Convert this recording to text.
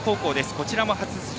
こちらも初出場。